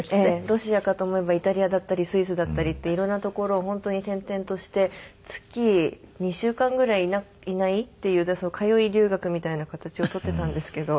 ロシアかと思えばイタリアだったりスイスだったりっていろんな所を本当に転々として月２週間ぐらいいないっていう通い留学みたいな形をとってたんですけど。